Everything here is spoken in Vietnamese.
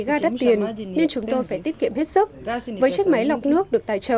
gà đắt tiền nên chúng tôi phải tiết kiệm hết sức với chiếc máy lọc nước được tài trợ